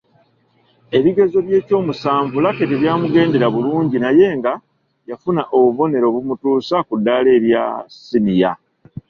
Ebigezo by’ekyomusanvu Lucky tebyamugendera bulungi naye nga yafuna obubonero obumutuusa ku ddaala erya ssiniya.